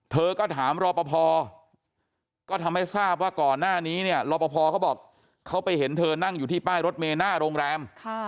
เธอก็ถามรอปภก็ทำให้ทราบว่าก่อนหน้านี้เนี่ยรอปภเขาบอกเขาไปเห็นเธอนั่งอยู่ที่ป้ายรถเมย์หน้าโรงแรม